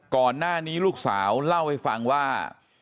ก่อนหน้านี้ลูกสาวเล่าให้ฟังว่า